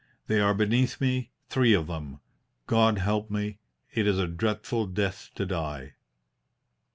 They are beneath me, three of them. God help me; it is a dreadful death to die!"